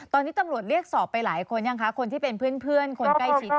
ตอนนี้ตำรวจเรียกสอบไปหลายคนยังคะคนที่เป็นเพื่อนคนใกล้ชิด